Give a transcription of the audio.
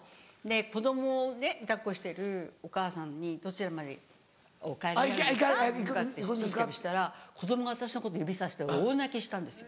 子供をね抱っこしてるお母さんに「どちらまでお帰りになるんですか？」とかってインタビューしたら子供が私のこと指さして大泣きしたんですよ。